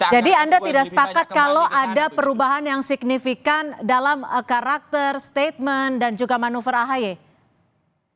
jadi anda tidak sepakat kalau ada perubahan yang signifikan dalam karakter statement dan juga perubahan yang berbeda